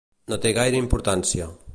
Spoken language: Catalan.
No té gaire importància.